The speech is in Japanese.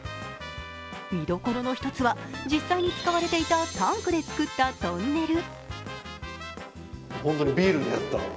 見どころの一つは、実際に使われていたタンクで作ったトンネル。